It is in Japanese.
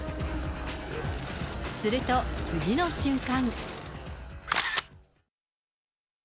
すると、次の瞬間。